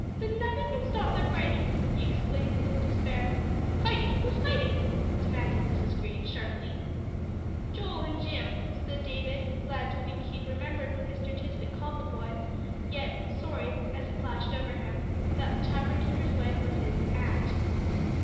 "Then nothing can stop their fighting?" he exclaimed in despair. "Fighting? Who's fighting?" demanded Mrs. Green, sharply. "Joel and Jim," said David, glad to think he'd remembered what Mr. Tisbett called the boy, yet sorry, as it flashed over him, that the tavern keeper's wife was his "a'nt."